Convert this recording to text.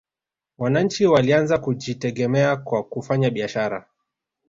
wananchi walianza kujitegemea kwa kufanya biashara